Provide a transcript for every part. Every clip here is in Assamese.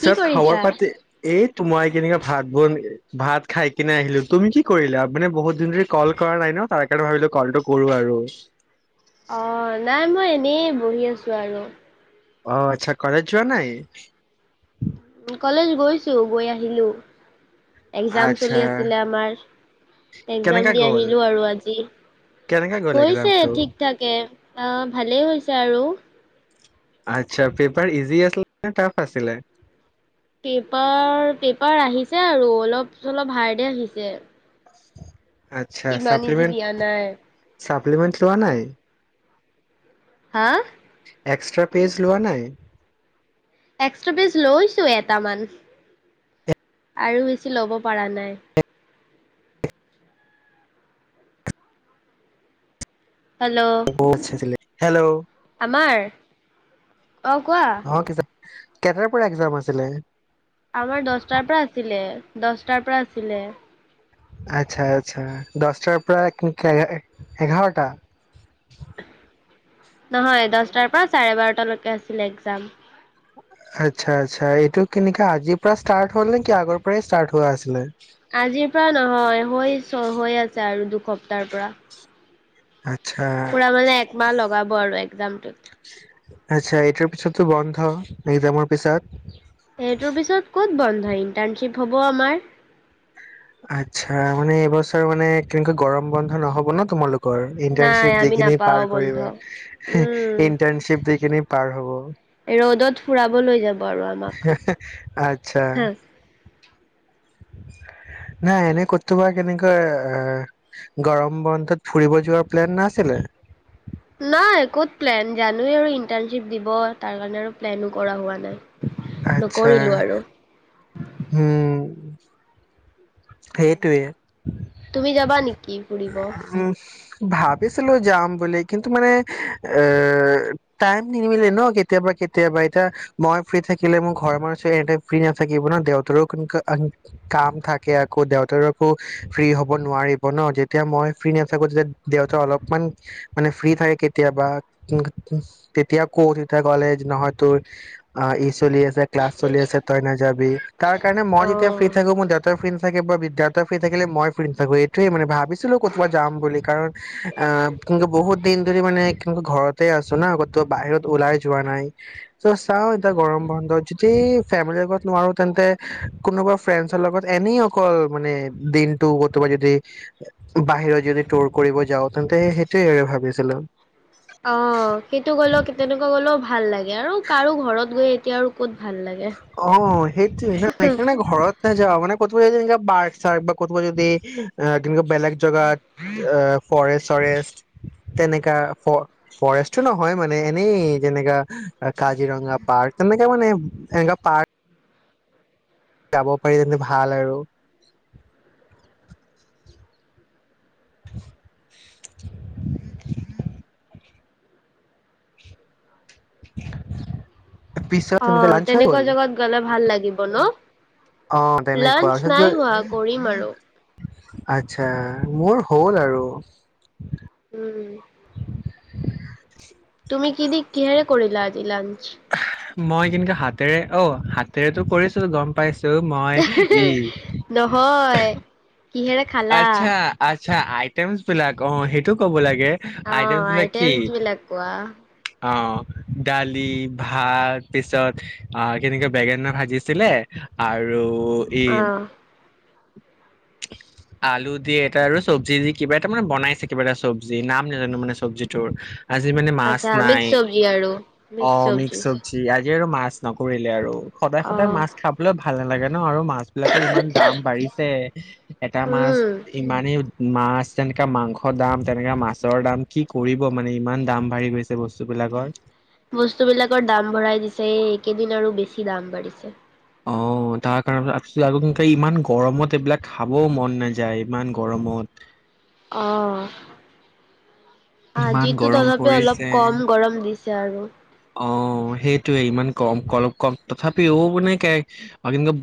কি কৰিছা? খবৰ পাতি এই। মই কেনেকে ভাত বন ভাত খাই কিনে আহিলো তুমি কি কৰিলা। মানে বহুত দিন ধৰি কল কৰা নাই ন তাৰ কাৰণে ভাবিলো। কলটো কৰো আৰু। অ নাই মই এনেই বহি আছো আৰু। অ আচ্ছা কলেজ যোৱা নাই। উম, কলেজ গৈছো গৈ আহিলো। এক্জাম আচ্ছা চলি আছিলে। আমাৰ একজাম কেনেকা দি গ'ল আহিলো আৰু আজি কেনেকা গ'ল হৈছে এক্জামটো ঠিক থাকে। অহ ভালেই হৈছে আৰু্ আচ্ছা পেপাৰ ইজি আছিলে নে টাফ আছিলে পেপাৰ পেপাৰ আহিছে আৰু অলপ চলপ হাৰডে আহিছে [unintelligible] ইমান ইজি দিয়া নাই এপিমেণ্ট লোৱা নাই হা এক্সট্ৰা পেজ লোৱা নাই এক্সট্ৰা পেজ লৈছো এটামান আৰু বেছি ল'ব পৰা নাই হেল্ল' হেল্ল' আমাৰ অ কোৱা অ কেইটাৰ পৰা এক্জাম আছিলে আমাৰ দচটাৰ পৰা আছিলে দচটাৰ পৰা আছিলে আচ্ছা আচ্ছা দচটাৰ পৰা এঘাৰটা নহয় দহটাৰ পৰা চাৰে বাৰটালৈকে আছিলে একজাম আচ্ছা আচ্ছা এইটো কেনেকা আজিৰ পৰা ষ্টাৰ্ট হল নে কি আগৰ পৰাই ষ্টাৰ্ট হোৱা আছিলে আজিৰ পৰা নহয় হৈ হৈ আছে আৰু দু সপ্তাহ পৰা আচ্ছা পোৰা মানে একমাহ লগাব আৰু একজামটোত আচ্ছা এইটোৰ পিছতো বন্ধ একজামৰ পিছত সেইটোৰ পিছত ক'ত বন্ধ ইণ্টাৰ্ণশ্বিপ হ'ব আমাৰ আচ্ছা মানে এইবছৰ মানে কেনেকা গৰম বন্ধ নহব ন তোমালোক কৰ নাই ইন্টচিপ দি আমি কিনি নাপাওঁ পাৰ বন্ধ। পৰিবা হু উম, ইন্টচিপ দিকিনি পাৰ হ'ব ৰ'দত ফুৰাব লৈ যাব আৰু আমাক আচ্ছা হু নাই এনে কৰোবা কেনেকৈ এ গৰম বন্ধত ফুৰিব যোৱাৰ প্লেন নাছিলে নাই ক'ত প্লেন জানোৱ আৰু ইন্টাৰ্শ্বিপ দিব তাৰ কাৰণে আৰু প্লেনো কৰা হোৱা নাই নকৰিলোঁ আৰু হম তুমি যাবা নেকি ফুৰিব উম ভাবিছিলো যাম বুলি কিন্তু মানে অ টাইম নিমিলে ন কেতিয়াবা কেতিয়াবা এতিয়া মই ফ্ৰী থাকিলে মোৰ ঘৰৰ মানুহ এনোই ফ্ৰী নাথাকিব ন দেউতৰো কোন কাম থাক আকৌ দেউতাৰ আকো ফ্ৰী হ'ব নোৱাৰিব ন যেতিয়া মই ফ্ৰী নাথাকো তেতিয়া দেউতাৰ অলপমান মানে ফ্ৰী থাকে কেতিয়াবা তেতিয়া কৌ কোদ ক'লে নহয় তোৰ চলি আছে ক্লাছ চলিছে তই নাযাবি তাৰ কাৰণে মই যেতিয়া অ'। ফ্ৰ্ৰী থাকো মোৰ দে ফ্ৰী নথাকে বা বিদ্যাৰ্থ ফ্ৰি থাকে মই ফ্ৰিৰি নাথাকো এইটোৱে মানে ভাবিছিলো ক'তবাত যাম বুলি কাৰণ অ কিন্তু বহুত দিন ধৰি মানে ঘৰতে আছো না কতো বাহিৰত ওলাই যোৱা নাই। ত' চাও এতিয়া গৰম বন্ধত যদি ফেমিলিৰ আগত নোৱাৰো তেন্তে কোনোবা ফ্ৰেণ্ডছৰ লগত এনেই অকল মানে দিনটো কৰতোবা যদি বাহিৰত যদি টুৰ কৰিব যাওঁ তেন্তে সেইটোয়ে আৰু ভাবিছিলো। অ সেইটো গ'ল তেনেকুৱা গ'ল ভাল লাগে আৰু কাৰো ঘৰত গৈ এতিয়া আৰু ক'ত ভাল লাগে। অ সেইটো সেই সেইকাৰণে ঘৰত [unintelligible] এনেকা বেলেগ জেগাত এ ফৰেষ্ট চৰেষ্ট তেনেকা ফৰেষ্টটো নহয় মানে এনেই যেনেকা কাজিৰঙা পাৰ্ক তেনেকা মানে এনে পাৰ্ক যাব পাৰি তেন্তে ভাল আৰু [inaudible] [inaudible] অ তেনেকে লাঞ্চ হৈ তেনেকুৱা গ'ল জগাত গ'লে ভাল লাগে। দিব অ', ন। তেনেকুৱা লানঞ্চ পিছত গৈ নাই হোৱা কৰিম আৰু- আচ্ছা মোৰ হ'ল আৰু উম। তুমি কি দি কিহেৰে কৰিলা‌ আজি লাঞ্চ। মই কিন্তু হাতেৰে অ হাতেৰেটো কৰিছো গম পাইছো। মই ই নহয় কিহেৰে খালা? আচ্ছা আচ্ছা আইটেমছ বিলাক অ সেইটো ক'ব লাগে। অ আইটেমচ বিলাক কোৱা? অঁ দালি, ভাত পিছত আহ কেনেকে বেঙেনা ভাজিছিলে আৰু অ এইম আলু দি এটা আৰু চব্জি দি কিবা এটা মানে বনাইছে কিবা এটা চব্জি নাম নাজানো মানে চব্জিটোৰ আজি মানে মাছ আচ্ছা নাই মিক্স চব্জি আৰু অ মিক্স চব্জি চবজি। আজি আৰু মাছ নকৰিলে আৰু সদায় অ সদায় মাছ খাবলৈ ভাল নালাগে। ন আৰু মাছ বিলাকৰ ইমান দাম বাঢ়িছে। [unintelligible] এটা মাছ উম ইমানেই মাছ তেনেকা মাংসৰ দাম তেনেকা মাছৰ দাম কি কৰিব মানে ইমান দাম বাঢ়ি গৈছে বস্তুবিলাকৰ বস্তুবিলাকৰ দাম ভৰাই দিছে এই একেইদিন আৰু বেছি দাম বাঢ়িছে অ তাৰ কাৰণে তাৰপিছত আকে ইমান গৰমত এইবিলাক খাবও মন নাযায় ইমান গৰমত অ ইমান আজিতো গৰম তথাপিও অলপ পৰিছে কম গৰম দিছ তিয়া আৰু অ সেইটোয়ে ইমান কম কলপ কম তথাপিও মানে কে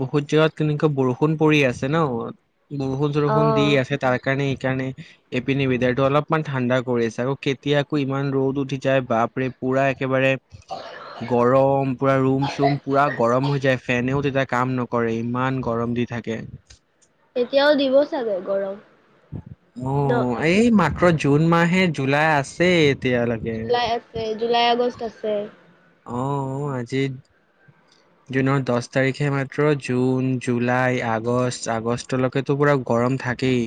বহুত জোৰত কেনেকুৱা বৰষুণ পৰি আছে ন বৰষুণ চৰষুণ দি অ', আছে তাৰ কাৰণেই হে কাৰণে এইপিনি ৱেদাৰ টো অলপমান ঠাণ্ডা কৰি আছে আৰু কেতিয়াকো ইমান ৰ'দ উঠি যায় বাপৰে পুৰা একেবাৰে গৰম পুৰা ৰুম চুম পুৰা গৰম হৈ যায় ফেনেও তেতি কাম নকৰে ইমান গৰম দি থাকে এতিয়াও দিব চাগে গৰম অ ন এই মাক্ৰ জুন মাহে জুুলাই আছে এতিয়ালৈকে জুলাই আছে জুলাই আগষ্ট ছে অ আজি জুনৰ দহ তাৰিখে মাত্ৰ জুন জুলাই আগষ্ট আগষ্টলেকেতো পুৰা গৰম থাকেই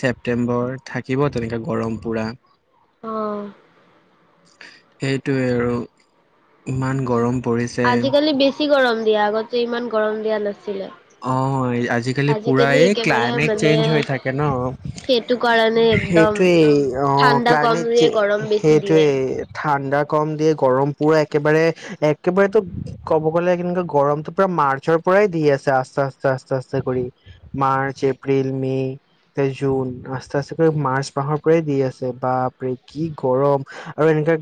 ছেপটেম্বৰ থাকিব তেনেকে গৰম পুৰা অহ সেইটোৱে আৰু ইমান গৰম পৰিছে আজিকালি বেছি গৰম দিয়ে আগত যে ইমান গৰম দিয়া নাছি অ আজিকালি পুৰা এই একেবাৰে ক্লাইমেট মানে চেঞ্জ হৈ থাকে ন সেইটো কাৰণে একদম সেইটোৱেই অ ঠাণ্ডা কম ক্লাইমেটজ দিয়ে গৰম বেছি দিয়ে সেইটোৱেই ঠাণ্ডা কম দিয়ে গৰম পুৰা একেবাৰে একেবাৰে তো ক'ব গ'লে কেনেকে গৰমটো পুৰা মাৰ্চৰ পৰাই দি আছে আছ আচতে আস্তে আস্তে কৰি মাৰ্চ এপ্ৰিল মে তে জুন আস্তে আস্তে কৰি মাৰ্চ মাহৰ পৰাই দি আছে বাপ ৰে কি গৰম আৰু এনেকা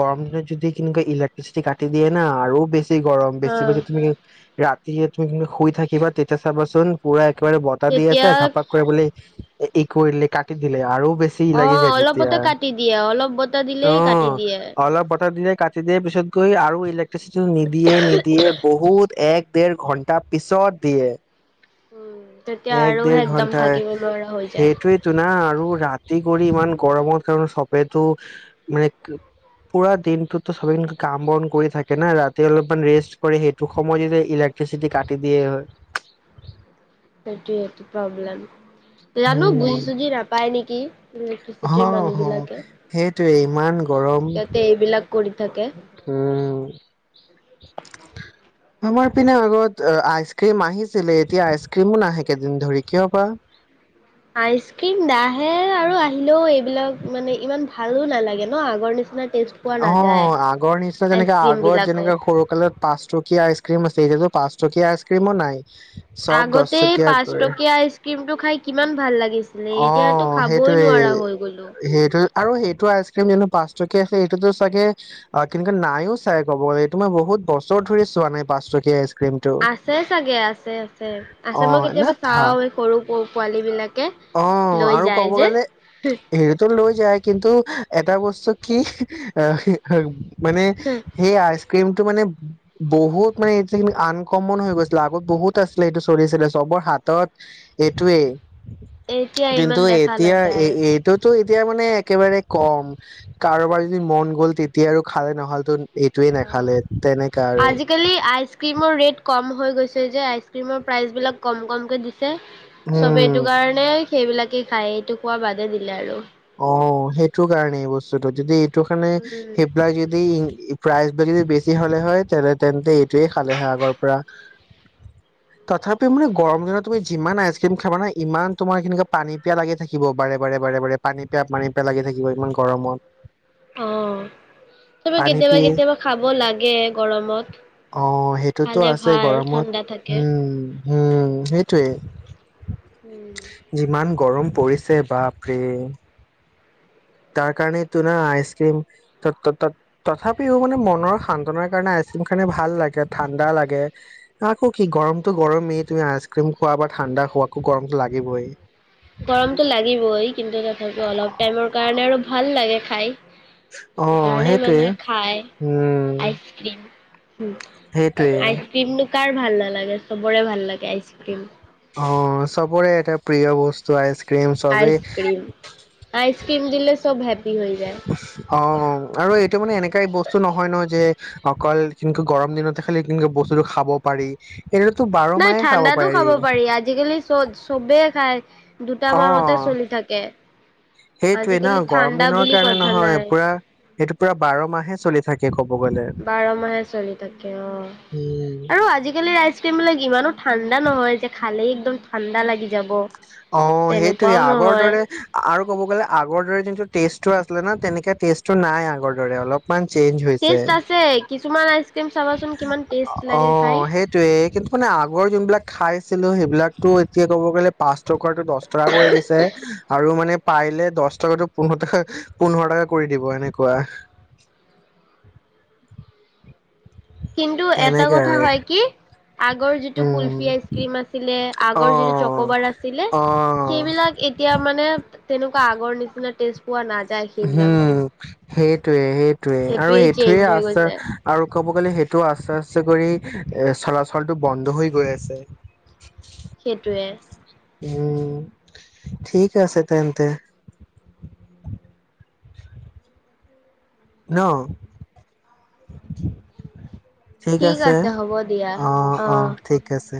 গৰম দিনত যদি কেনেকুৱা ইলেক্ট্ৰিচিটি কাটি দিয়ে না আৰু বেছি বেছি গৰম হা বেছি বেছি তুমি ৰাত তিয়া তুমি শুই থাকি থিবা তেতিয়া চাবাচোন পুৰা একেবাৰে বতাহ দি আছে তেতিয়া ঘাপাক কৰে বুলে ই কৰিলে কাটি দিলে আৰু বেছি অ লাগি যায় তেতিয়া অলপতে কাটি দিয়ে অলপ বতাহ দিলেই কাটি অ' দিয়ে অলপ বতাহ দিলে কাটি দিয়াৰ পিছত গৈ আৰু ইলেক টো নিদিয়ে নিদিয়ে বহুত এক দেৰ ঘন্টা পিছত য়ে উম তেতিয়া এক আৰুহে দেৰ একদম ঘন্টাই থাকিব নোৱাৰা হৈ যায় সেইটোৱেইতো না আৰু ৰাতি কৰি ইমান গৰমত কাৰণে সবেতো মানে পুৰা দিনটোতো সবেই কাম বন কৰি থাকে না ৰাতি অলপমান ৰেষ্ট কৰে সেইটো সময় যদি ইলেক্ট্ৰিচিটি কাটি দিয়ে হয় হেটোৱেটো প্ৰব্লেম জানো বুজি চুজি নাপায় নিক কি অহ হ সেইটোৱে ইমান গৰম সিহঁতে এইবিলাক কৰি থাকে। উম আমাৰ পিনে আগত আইচ ক্ৰীম আহিছিলে এতিয়া আইচ ক্ৰীমো নাহে কেইদিন ধৰি কিয় বা আইচক্ৰিম নাহে আৰু আহিলেও এইবিলাক মানে ইমান ভালো নালাগে ন আগৰ নিচিনা টেষ্ট পোৱা অ নাযায় আগৰ নিচিনা যেনেকে আইচক্ৰীম আগত যেনেকে বিলাকত। সৰুকালত পাঁচটকীয়া ক্ৰীম আছে এতিয়াতো পাচ টকীয়া আইচক্ৰীমো নাই চব দহ আগতে টকীয়া পাঁচ কৰে টকীয়া আইচক্ৰীমটো খাই কিমান ভাল লাগে লাগিছিলে অ এতিয়াতো খাবই সেইটোৱে নোৱাৰা হৈ গলো সেইটো আৰু সেইটো আইচক্ৰীম এনো পাঁচটকীয়া আছে এইটোতো চাগে অ কেনকা নাইয়ো চাই ক'ব গ'লে এইটো মই বহুত বছৰ ধৰি চোৱা নাই পাঁচটকীয়া আইচ আছে চাগে আছে আছে আছে অ মই কেতিয়াবা না থা চাও এই সৰু প পোৱালিবিলা অ আৰু ক'ব গ'লে হেৰিটো লৈ যায় কিন্তু এটা বস্তু কি আহ হি হে ৰু মানে সেই আইচ ক্ৰীমটো মানে বহুত মানে এইটো আনকমন হৈ গৈছিলে আগত বহুত আছিলে সেইটো চলিছিলে চবৰ হাতত এইটোৱেই এতিয়া ইমান কিন্তু দেখা এতিয়া এই নাযায়। এইটোতো তেতিয়া মানে একেবাৰে কম কাৰোবাৰ যদি মন গ'ল তেতিয়া আৰু খাই নহ'লেতো এইটোৱে অ নাখালে তেনেকা আৰু আজিকালি আইচক্ৰীমৰ ৰেট কম হৈ গৈছে যে আইচক্ৰীমৰ প্ৰাইচ বিলাক কম কমকে দি ছে চবে উম এইটো কাৰণেই সেইবিলাকেই খায় এইটো খোৱা বাদে দিলে আৰু অ সেইটো কাৰণে বস্তুটো যদি দোকানে উম, সেইবিলাই যদি ই প্ৰাইজবিল যদি বেছি হ'লে হয় তেনে তেন্তে সেটোৱেই খালে হয় আগৰ পৰা তথাপিও মানে গৰম দিনত তুমি যিমান আইচক্ৰীম খাবা নহয় ইমান তোমাৰ সেনেকা পানী পিয়া লাগি থাকিব বাৰে বাৰে বাৰে বাৰে পানী পিয়া পানী পিয়া লাগি থাকিব ইমান গৰমত অ', চবে পানী কেতিয়াবা পিয়ে কেতিয়াবা খাব লাগে গৰমত। অহ সেইটোতো খালে আছে ভাল গৰমত ঠাণ্ডা থাকে। উম হম সেইটোৱে উম যিমান গৰম পৰিছে বাপ ৰে তাৰ কাৰণে ত না আইচক্ৰীম ত ত ত তথাপিও মানে মনৰ সান্তনাৰ কাৰণে আইচক্ৰীম খালে ভাল লাগে ঠাণ্ডা লাগে আকৌ কি গৰমটো গৰমেই তুমি আইচক্ৰীম খোৱা বা ঠাণ্ডা খোৱা আকৌ গৰমটো লাগিবই গৰমটো লাগিবই কিন্তু তথাপিও অলপ টাইমৰ কাৰণে আৰু ভাল লাগে খায়। অ সেইকাৰণে সেইটোৱে মানে খায় উম আইচক্ৰীম। সেইটোৱে আইচক্ৰীম ন। থকাৰ ভাল নালাগে চবৰে ভাল লাগে আইচক্ৰীম। অ চবৰে এটা প্ৰিয় বস্তু আচক্ৰীম। আইচক্ৰিম আইচক্ৰিম দিলে চব হেপি। অ আৰু এইটো মানে এনেকা বস্তু নহয় ন যে। অকল কেকৈ গৰম দিনত খাললে কেনেকে বস্তুটো খাব পাৰি। এইটোতো বাৰ নাই মাহে ঠাণ্ডাতো খাব পাৰি আজিকালি চব চবে। চায়। অ সেইটোৱে ন আজিকালি গৰম ঠাণ্ডা দিনৰ বুলি কাৰণে কথা নহয় নাই পুৰা এইটো পুৰা বাৰ মাহে চলিছে। থাকে কব। গ'লে বাৰ মাহে চলি থাকে অ উম আৰু আজিকালি ৰাইজ। তিমবিলাক ইমান নো। ঠাণ্ডা নহয় যে খালে। একদম ঠাণ্ডা লাগি যাব। অ সেইটোয়ে তেনেকুৱাও আগৰ নহয়। দৰে আৰু ক'ব গ'লে আগৰ দৰে যোনটো। টেষ্টটো আছিলে ন তেনেকে টেষ্টটো নাই আগৰ দৰে অলপমান। চেঞ্জ ষ্ট হৈছে আছে কিছুমান। চাবাচোন কিমান টেষ্ট অ লাগে খাই্ সেইটোয়ে কিন্তু মানে আগৰ যোনবিলাক খাই আছিলো সেইবিলাকো এতিয়া ক'ব গ'লে পাছত। টো দহ টকা কৰি এৰিছে আৰু মানে। পাৰলে দহ টকাতটো পোন্ধৰ টকা পোন্ধৰ টকা কৰি দিব এনেকুৱা। কিন্তু এটা তেনেকে কথা আৰু হয় কি আগৰ যিটো উম কুলফি আইচ ক্ৰীম আছিলে। অ আগৰ যিটো চকবাৰ আছিলে অ সেইবিলাক এতিয়া মানে তেনেকুৱা আগৰ নিচিনা। টেষ্ট। পোৱা নাযায় সেইবিলাকত। সেইটোয়ে সেই। সোৱে আৰু সেইটোৱে চেঞ্জ সেইটোয়ে হৈ আচাৰ গৈছে, আৰু। ক'ব গ'লে সেইটো আস্তে আস্তে কৰি এ চলাচলটো বন্ধ হৈ গৈ আছে। সেইটোৱে। উম ঠিক আছে তেন্তন্তে। ন। ঠিক আছে অ অ ঠিক আছে।